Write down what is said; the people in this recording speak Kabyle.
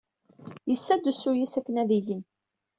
Yessa-d usu-is akken ad igen.